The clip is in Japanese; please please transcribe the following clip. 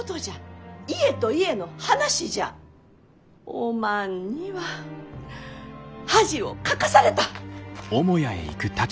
おまんには恥をかかされた！